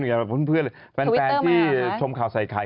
เมื่อกี้เพื่อนแฟนที่ชมข่าวใส่ข่าย